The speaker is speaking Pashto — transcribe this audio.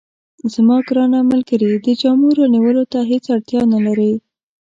زما ګرانه ملګرې، د جامو رانیولو ته هیڅ اړتیا نه لرې.